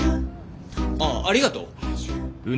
ああありがとう？